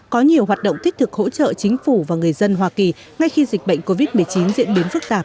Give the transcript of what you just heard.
có nhiều hoạt động thiết thực hỗ trợ chính phủ và người dân hoa kỳ ngay khi dịch bệnh covid một mươi chín diễn biến phức tạp